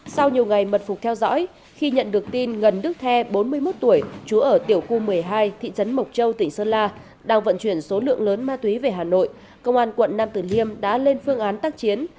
sau nhiều ngày mật phục theo dõi khi nhận được tin gần đức the bốn mươi một tuổi chú ở tiểu khu một mươi hai thị trấn mộc châu tỉnh sơn la đang vận chuyển số lượng lớn ma túy về hà nội công an quận nam tử liêm đã lên phương án tác chiến